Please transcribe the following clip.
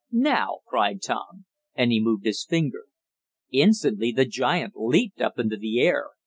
"Now!" cried Tom, and he moved his finger. Instantly the giant leaped up into the air.